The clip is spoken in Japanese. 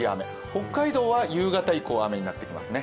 北海道は夕方以降、雨になってきます。